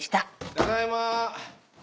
・ただいま。